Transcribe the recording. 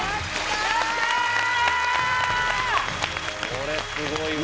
これすごいわ。